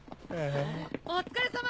・お疲れさま！